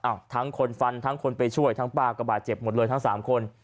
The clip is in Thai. ทั้งคนฟันทั้งคนไปช่วยทั้งป้าก็บาดเจ็บหมดเลยทั้งสามคน